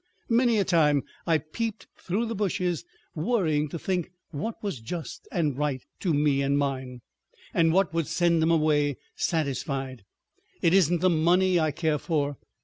Many a time I peeped through the bushes worrying to think what was just and right to me and mine, and what would send 'em away satisfied. It isn't the money I care for.